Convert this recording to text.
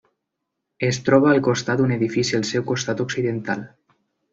Es troba al costat d'un edifici al seu costat occidental.